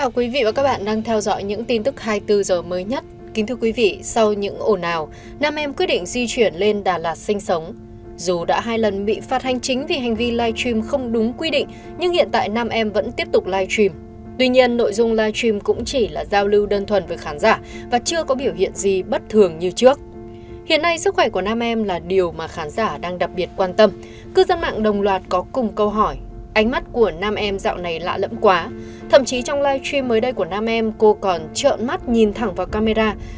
các bạn hãy đăng ký kênh để ủng hộ kênh của chúng mình nhé